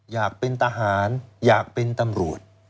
อยากเป็นทหารอยากเป็นตำรวจ